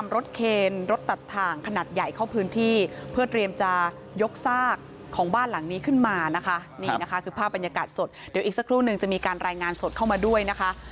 รถเคนรถตัดถ่างขนาดใหญ่เข้าพื้นที่เพื่อเตรียมจะยกซากของบ้านหลังนี้ขึ้นมานะคะนี่นะคะคือภาพบรรยากาศสดเดี๋ยวอีกสักครู่นึงจะมีการรายงานสดเข้ามาด้วยนะคะ